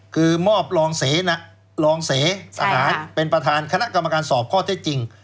คือมอบรองเสนะรองเสทหารเป็นประธานคณะกรรมการสอบข้อเท็จจริง